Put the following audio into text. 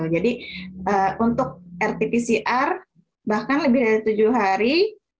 jadi untuk rt pcr bahkan lebih dari tujuh hari